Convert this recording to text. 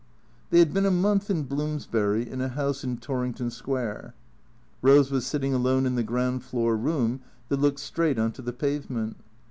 They had been a month in Bloomsbury, in a house in Torring ton Square. Rose was sitting alone in the ground floor room that looked straight on to the pavement.